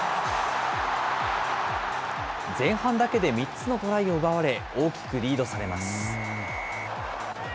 前半だけで３つのトライを奪われ、大きくリードされます。